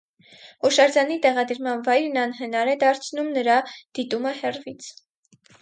Հուշարձանի տեղադրման վայրն անհնար է դարձնում նրա դիտումը հեռվից։